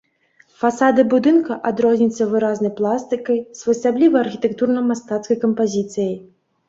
Фасады будынка адрозніваюцца выразнай пластыкай, своеасаблівай архітэктурна-мастацкай кампазіцыяй.